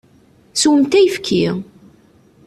Swemt ayefki!